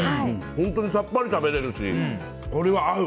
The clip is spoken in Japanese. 本当にさっぱり食べれるしこれは合う。